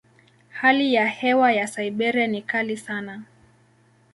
Hali ya hewa ya Siberia ni kali sana.